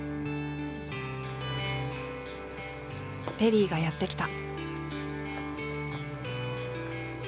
テリーがやって来た。